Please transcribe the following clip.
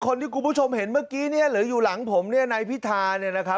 คนที่คุณผู้ชมเห็นเมื่อกี้หรืออยู่หลังผมในพิธา